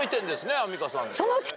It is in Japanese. アンミカさん。